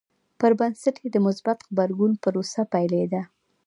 پر بنسټ یې د مثبت غبرګون پروسه پیلېده.